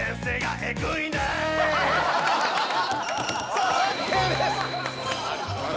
さあ判定です